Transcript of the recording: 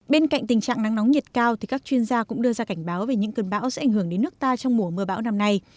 bên cạnh tình trạng nắng nóng nhiệt cao thì các chuyên gia cũng đưa ra cảnh báo về những cơn bão sẽ ảnh hưởng đến nước ta trong mùa mưa bão năm nay